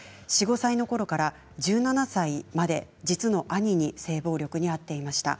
４、５歳の子ころから１７歳まで実の兄に性暴力に遭っていました。